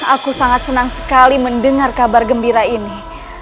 aku sangat senang sekali mendengar kabar gembira ini